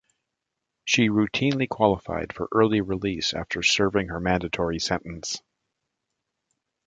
She routinely qualified for early release after serving her mandatory sentence.